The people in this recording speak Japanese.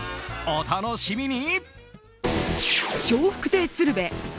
お楽しみに！